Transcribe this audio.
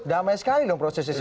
damai sekali dong prosesnya